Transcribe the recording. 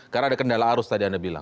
karena ada kendala arus tadi anda bilang